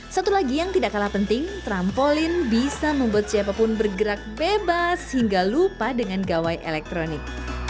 satu lagi yang tidak kalah penting trampolin bisa membuat siapapun bergerak bebas hingga lupa dengan gawai elektronik